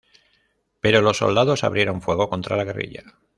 Pero los soldados abrieron fuego contra la guerrilla.